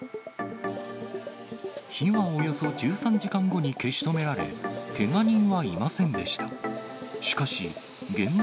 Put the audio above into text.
火はおよそ１３時間後に消し止められ、けが人はいませんでした。